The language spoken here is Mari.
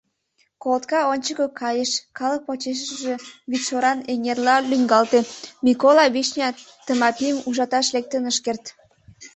Колотка ончыко кайыш, калык почешыже вӱдшоран эҥерла лӱҥгалтеМикола Вишня Тымапим ужаташ лектын ыш керт.